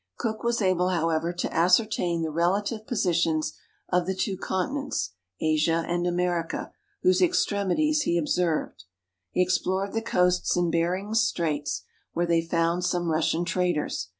Cook was able, however, to ascertain the relative positions of the two continents, Asia and America, whose extremities he observed. He explored the coasts in Behring's Straits, where they found some Russian traders.